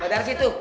badan sih tuh